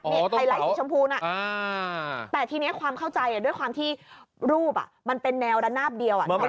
นี่ไฮไลท์สีชมพูน่ะแต่ทีนี้ความเข้าใจด้วยความที่รูปมันเป็นแนวระนาบเดียว